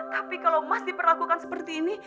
tapi kalau mas diperlakukan seperti ini